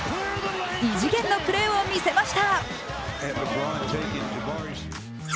異次元のプレーを見せました。